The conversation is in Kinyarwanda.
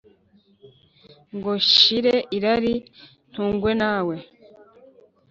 ngo shire irari ntungwe nawe